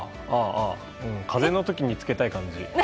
風邪の時につけたい感じ。